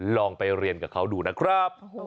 ลองไปเรียนกับเขาดูนะครับ